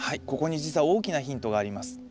ここに実は大きなヒントがあります。